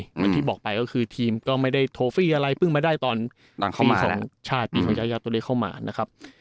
อย่างที่บอกไปก็คือทีมก็ไม่ได้โทฟอะไรพึ่งมาได้ตอนปีของยายาตัวเล่นเข้ามา